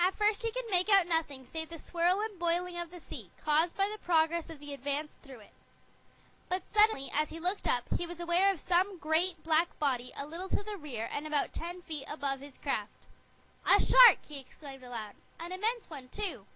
At first he could make out nothing save the swirl and boiling of the sea, caused by the progress of the Advance through it. But suddenly, as he looked up, he was aware of some great, black body a little to the rear and about ten feet above his craft. "A shark!" he exclaimed aloud. "An immense one, too."